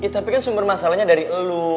tapi kan sumber masalahnya dari elu